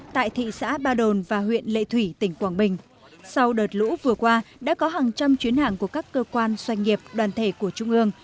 tại thị xã ba đồn và huyện lệ thủy tỉnh quảng bình sau đợt lũ vừa qua đã có hàng trăm chuyến hàng của các cơ quan doanh nghiệp đoàn thể của trung ương